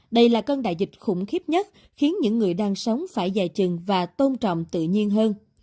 đây là cơn đại dịch khủng khiếp nhất khiến những người đang sống phải dài chừng và tôn trọng tự nhiên hơn